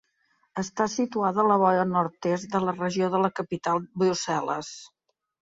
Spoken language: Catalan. Està situada a la vora nord-est de la Regió de la capital Brussel·les.